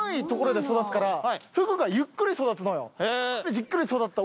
じっくり育った。